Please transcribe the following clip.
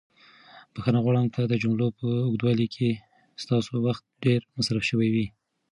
بښنه غواړم که د جملو په اوږدوالي کې ستاسو وخت ډېر مصرف شوی وي.